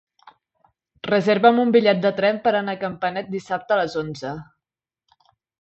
Reserva'm un bitllet de tren per anar a Campanet dissabte a les onze.